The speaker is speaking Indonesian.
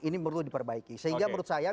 ini perlu diperbaiki sehingga menurut saya